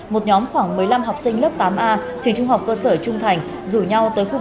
một nhóm khoảng một mươi năm học sinh lớp tám a trình trung học cơ sở trung thành